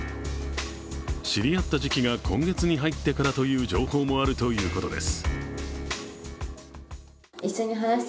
知り合った時期が今月に入ってからという情報もあるということです。